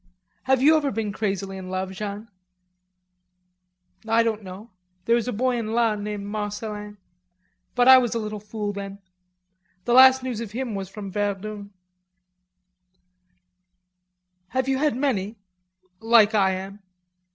Have you ever been crazily in love, Jeanne?" "I don't know. There was a boy in Laon named Marcelin. But I was a little fool then. The last news of him was from Verdun." "Have you had many... like I am?"